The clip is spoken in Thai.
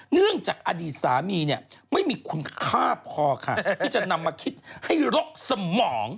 เนื่องจากอดีตสามีเนี่ยไม่มีคุณค่าพอค่ะที่จะนำมาคิดให้รกสมอง